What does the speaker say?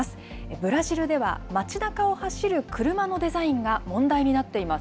ブラジルでは街なかを走る車のデザインが問題になっています。